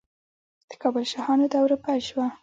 د کابل شاهانو دوره پیل شوه